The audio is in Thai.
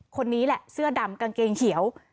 คนนี้แหละเสื้อดำกางเกงเขียว